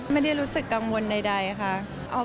ไม่ได้รู้สึกกังวลใดค่ะ